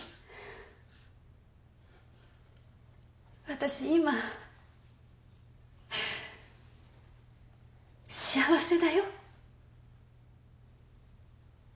私今幸せだよ。